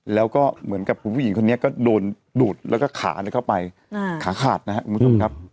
แล้วก็เหมือนกับคุณผู้หญิงคนนี้ก็โดนดูดแล้วก็ขาเข้าไปขาขาดนะครับคุณผู้ชมครับ